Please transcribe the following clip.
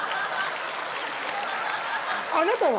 あなたは。